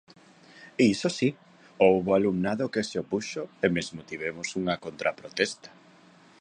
Iso si, houbo alumnado que se opuxo e mesmo tivemos unha contraprotesta.